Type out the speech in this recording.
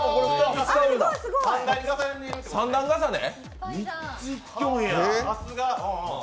３段重ね？